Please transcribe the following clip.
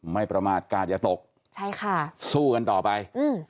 ไม่ประมาทการอย่าตกสู้กันต่อไป